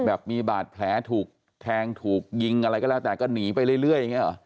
แบบมีบาดแผลถูกแทงถูกยิงอะไรก็แล้วแต่ก็หนีไปเรื่อยอย่างนี้หรอ